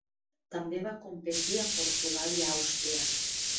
També va competir a Portugal i Àustria.